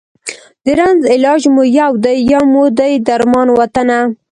د رنځ علاج مو یو دی، یو مو دی درمان وطنه